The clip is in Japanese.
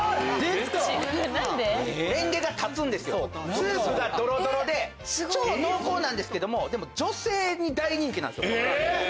スープがどろどろで超濃厚なんですけども女性に大人気なんですよ。